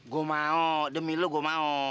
gua mau demi lu gua mau